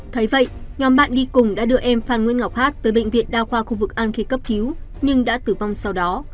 thấy vậy nhóm bạn đi cùng đã đưa em phan nguyễn ngọc hát tới bệnh viện đa khoa khu vực an khê cấp cứu nhưng đã tử vong sau đó